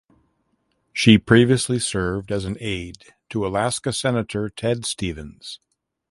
She previously served as an aide to Alaska Senator Ted Stevens.